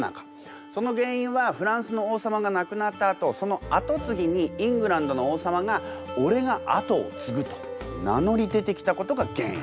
その原因はフランスの王様が亡くなったあとその跡継ぎにイングランドの王様が「俺が跡を継ぐ！」と名乗り出てきたことが原因。